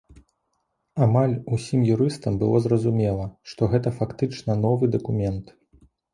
Амаль усім юрыстам было зразумела, што гэта фактычна новы дакумент.